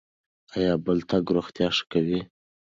ایا پلی تګ روغتیا ښه کوي؟